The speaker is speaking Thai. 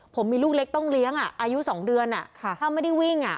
ผมมีลูกเล็กต้องเลี้ยงอ่ะอายุสองเดือนอ่ะค่ะถ้าไม่ได้วิ่งอ่ะ